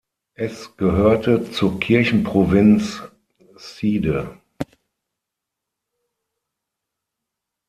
Es gehörte zur Kirchenprovinz Side.